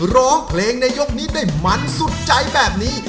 ร้องเพลงในยกนี้ได้มันสุดใจแบบนี้